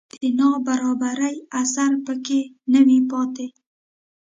د نابرابرۍ اثر په کې نه وي پاتې